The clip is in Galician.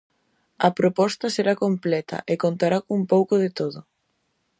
A proposta será completa, e contará cun pouco de todo.